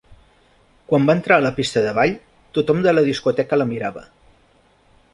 Quan va entrar a la pista de ball, tothom de la discoteca la mirava.